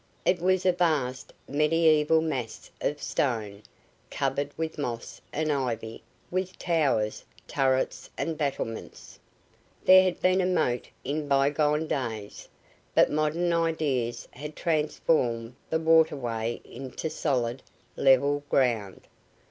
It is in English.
It was a vast, mediaeval mass of stone, covered with moss and ivy, with towers, turrets and battlements. There had been a moat in bygone days, but modern ideas had transformed the waterway into solid, level ground.